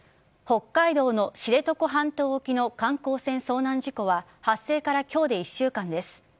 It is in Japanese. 北海道の知床半島沖の観光船遭難事故は発生から今日で１週間です。